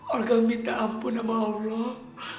orang minta ampun sama allah